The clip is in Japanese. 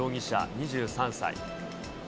２３歳。